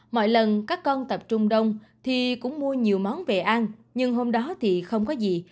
mọi lần các con tập trung đông thì cũng mua nhiều món về ăn nhưng hôm đó thì không có gì